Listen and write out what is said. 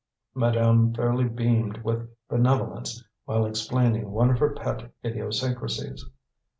Madame fairly beamed with benevolence while explaining one of her pet idiosyncrasies.